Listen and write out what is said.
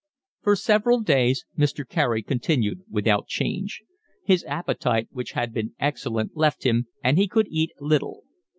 For several days Mr. Carey continued without change. His appetite which had been excellent left him, and he could eat little.